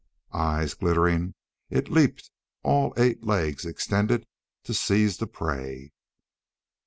Eyes glittering, it leaped, all eight legs extended to seize the prey.